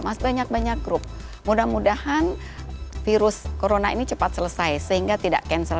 masih banyak banyak grup mudah mudahan virus corona ini cepat selesai sehingga tidak cancel